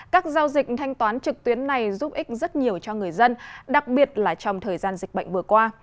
các giao dịch thanh toán trực tuyến này giúp ích rất nhiều cho người dân đặc biệt là trong thời gian dịch bệnh vừa qua